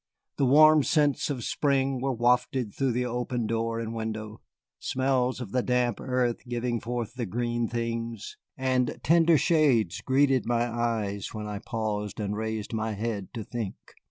The warm scents of spring were wafted through the open door and window, smells of the damp earth giving forth the green things, and tender shades greeted my eyes when I paused and raised my head to think.